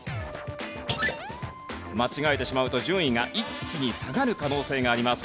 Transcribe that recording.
間違えてしまうと順位が一気に下がる可能性があります。